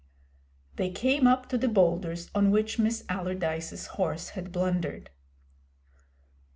They came up to the boulders on which Miss Allardyce's horse had blundered.